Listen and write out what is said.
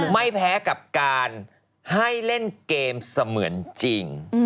ไม่แพ้กับการให้เล่นเกมเสมือนจริง